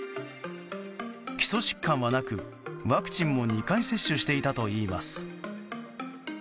基礎疾患はなく、ワクチンも２回接種していたといいます。